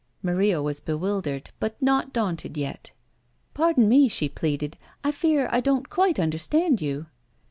Maria was bewildered, but nor daunted yet. "Pardon me," she pleaded; "I fear I don't quite understand you."